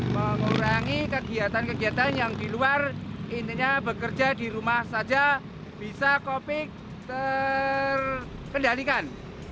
mengurangi kegiatan kegiatan yang di luar intinya bekerja di rumah saja bisa covid terkendalikan